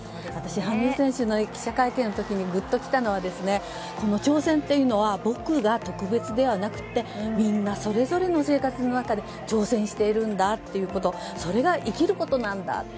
私、羽生選手の記者会見の時グッときたのは、挑戦というのは僕が特別ではなくてみんなそれぞれの生活の中で挑戦しているんだとそれが生きることなんだ。